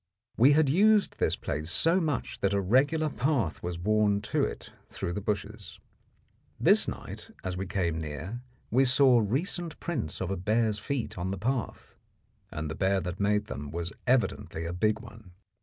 We had used this place so much that a regular path was worn to it through the bushes. This night as we came near we saw recent prints of a bear's feet on the path, and the bear that made them was evidently a big one.